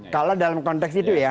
kalau dalam konteks itu ya